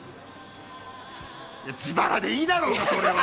自腹でいいだろうが！